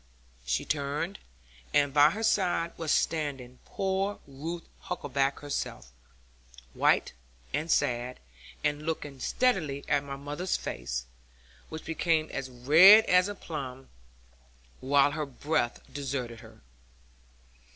She turned, and by her side was standing poor Ruth Huckaback herself, white, and sad, and looking steadily at my mother's face, which became as red as a plum while her breath deserted her.